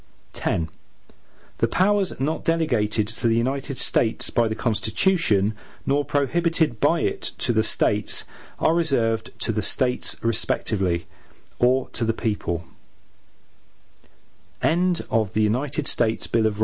X The powers not delegated to the United States by the Constitution, nor prohibited by it to the States, are reserved to the States respectively, or to the people.